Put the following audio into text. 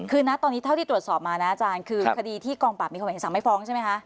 คือนะตอนนี้เท่าที่ตรวจสอบมานะอาจารย์คือคดีที่กองปราบมีความเห็นสั่งไม่ฟ้องใช่ไหมคะ